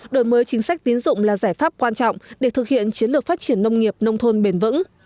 đổi mới chính sách tín dụng là giải pháp quan trọng để thực hiện chiến lược phát triển nông nghiệp nông thôn bền vững